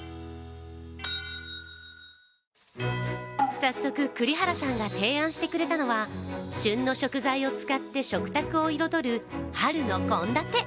早速、栗原さんが提案してくれたのは旬の食材を使って食卓を彩る春のこんだて。